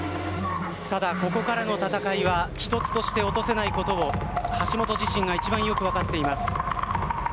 ただ、ここからの戦いは１つとして落とせないことを橋本自身が一番よく分かっています。